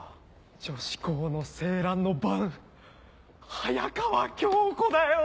女子校の成蘭の番早川京子だよ！